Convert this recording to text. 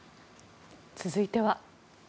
続いては。